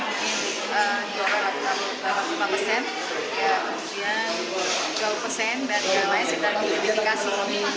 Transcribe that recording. mungkin dua puluh delapan persen ya kemudian dua puluh persen dari ala esit dan identifikasi